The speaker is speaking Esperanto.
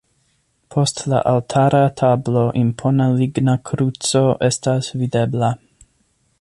Post la altara tablo impona ligna kruco estas videbla.